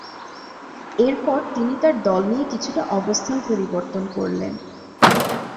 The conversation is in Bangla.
এরপর তিনি তার দল নিয়ে কিছুটা অবস্থান পরিবর্তন করলেন।